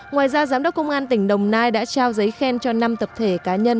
ngoài ra giám đốc công an tỉnh đồng nai đã trao giấy khen cho năm tập thể cá nhân